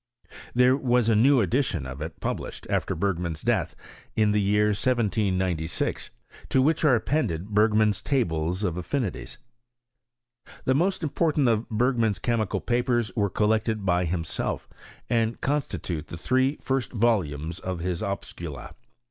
There was a new edition of it published, after Bergman's death, in the year 1796, to which are appended Bergman's Tables of Affinities. The most important of Bergman's chemical papers were collected by himself, and constitute the three first volumes of his Opuscula.